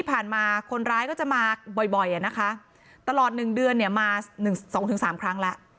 ที่ผ่านมาคนร้ายก็จะมาบ่อยนะคะตลอด๑เดือนมา๒๓ครั้งแล้ว